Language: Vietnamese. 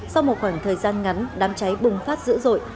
sau một khoảng thời gian ngắn đám cháy bùng phát dữ dội